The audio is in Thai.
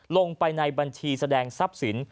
ลงไปในบัญชีแสดงทรัพย์สิน